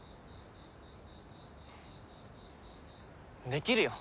できるよ！